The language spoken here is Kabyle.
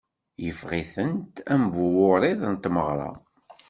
Iffeɣ-itent am bu wuṛiḍ n tmeɣṛa.